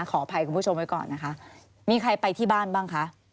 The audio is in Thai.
ขออภัยคุณผู้ชมไว้ก่อนนะคะมีใครไปที่บ้านบ้างคะ